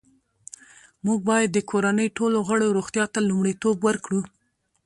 موږ باید د کورنۍ ټولو غړو روغتیا ته لومړیتوب ورکړو